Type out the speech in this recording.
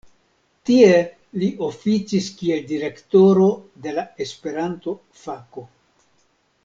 Tie li oficis kiel direktoro de la Esperanto-fako.